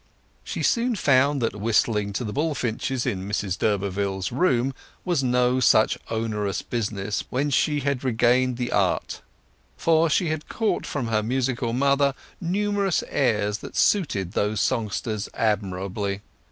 She soon found that whistling to the bullfinches in Mrs d'Urberville's room was no such onerous business when she had regained the art, for she had caught from her musical mother numerous airs that suited those songsters admirably.